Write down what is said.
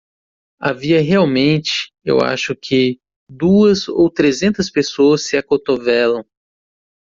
Havia realmente? Eu acho que? duas ou trezentas pessoas se acotovelam.